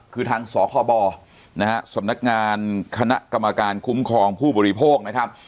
คือทางสคบนะฮะสำนักงานคณะกรรมการคุ้มครองผู้บริโภคนะครับ